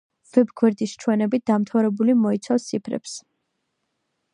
ვებ გვერდის ჩვენებით დამთავრებული მოიცავს ციფრებს.